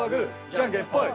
じゃんけんぽい。